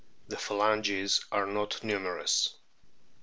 The phalanges are not numerous.